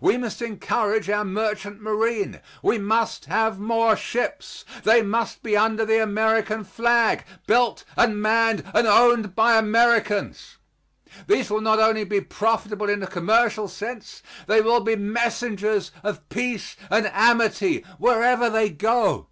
We must encourage our merchant marine. We must have more ships. They must be under the American flag; built and manned and owned by Americans. These will not only be profitable in a commercial sense; they will be messengers of peace and amity wherever they go.